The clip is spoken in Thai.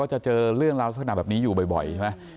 ก็จะเจอเรื่องแล้วสถาบันดีอยู่บ่อย